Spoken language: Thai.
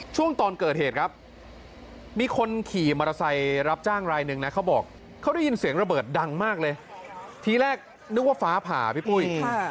ตอนเกิดเหตุครับมีคนขี่มอเตอร์ไซค์รับจ้างรายหนึ่งนะเขาบอกเขาได้ยินเสียงระเบิดดังมากเลยทีแรกนึกว่าฟ้าผ่าพี่ปุ้ย